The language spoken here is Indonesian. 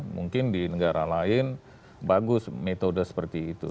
mungkin di negara lain bagus metode seperti itu